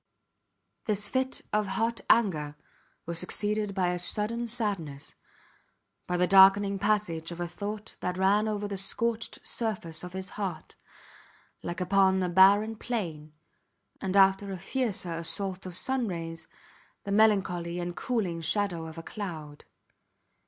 This fit of hot anger was succeeded by a sudden sadness, by the darkening passage of a thought that ran over the scorched surface of his heart, like upon a barren plain, and after a fiercer assault of sunrays, the melancholy and cooling shadow of a cloud.